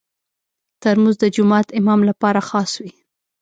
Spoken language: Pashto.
ترموز د جومات امام لپاره خاص وي.